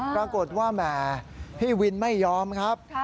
ปรากฏว่าแหมพี่วินไม่ยอมครับ